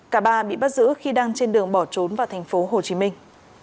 cả ba bị bắt giữ khi đang trên đường bỏ trốn vào thành phố hồ chí minh